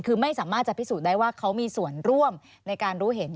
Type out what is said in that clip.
คือไม่สามารถจะพิสูจน์ได้ว่าเขามีส่วนร่วมในการรู้เห็น